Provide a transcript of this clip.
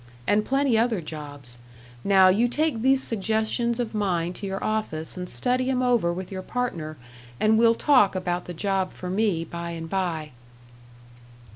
And plenty other jobs. Now you take these suggestions of mine to your office and study 'em over with your partner and we'll talk about the job for me by and by."